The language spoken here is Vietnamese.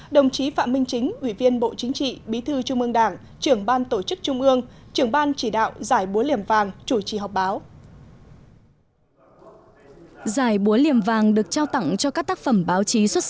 đồng chí phạm minh chính ủy viên bộ chính trị bí thư trung ương đảng trưởng ban tổ chức trung ương trưởng ban chỉ đạo giải búa liềm vàng chủ trì họp báo